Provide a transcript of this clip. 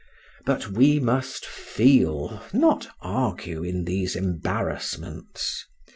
But we must feel, not argue in these embarrassments.